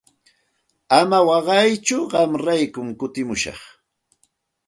Ama waqaytsu qamraykum kutimushaq.